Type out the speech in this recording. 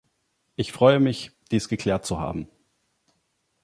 Ich freue mich, dies geklärt zu haben.